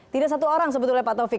tidak satu orang sebetulnya pak taufik